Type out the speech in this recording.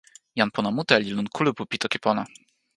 jan pona mute li lon kulupu pi toki pona.